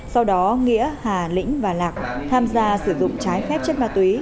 sau đó nghĩa hà lĩnh và lạc tham gia sử dụng trái phép chất ma túy